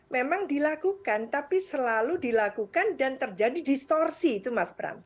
memang dilakukan tapi selalu dilakukan dan terjadi distorsi itu mas bram